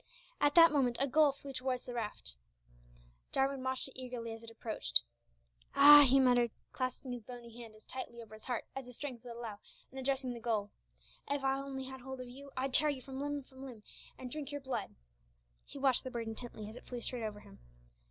At that moment a gull flew towards the raft; Jarwin watched it eagerly as it approached. "Ah," he muttered, clasping his bony hand as tightly over his heart as his strength would allow and addressing the gull, "if I only had hold of you, I'd tear you limb from limb, and drink your blood!" He watched the bird intently as it flew straight over him.